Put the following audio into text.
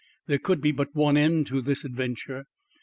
There could be but one end to this adventure.